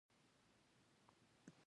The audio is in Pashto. پنځم څپرکی د ستونزو حل ته ځانګړی شوی دی.